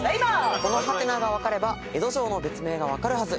この「？」が分かれば江戸城の別名が分かるはず。